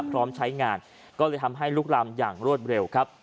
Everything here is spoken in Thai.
พร้อมใช้งานก็เลยทำให้ลุกลามอย่างรวดเร็วครับ